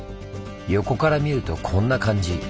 横から見るとこんな感じ。